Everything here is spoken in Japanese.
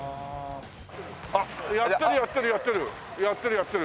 あっやってるやってるやってるやってる。